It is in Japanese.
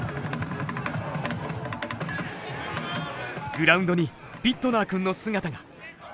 グラウンドにビットナー君の姿が。